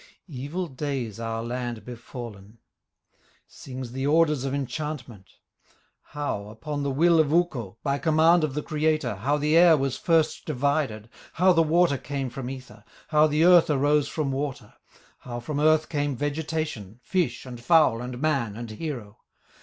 Evil days our land befallen. Sings the orders of enchantment. How, upon the will of Ukko, By command of the Creator, How the air was first divided, How the water came from ether, How the earth arose from water, How from earth came vegetation, Fish, and fowl, and man, and hero.